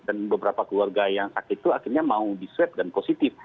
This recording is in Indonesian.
dan beberapa keluarga yang sakit itu akhirnya mau di swab dan positif